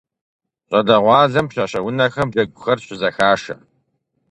ЩӀалэгъуалэм пщащэ унэхэм джэгухэр щызэхашэ.